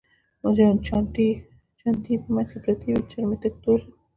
چانټې یې په منځ کې پرتې وې، چرم یې تک تور و.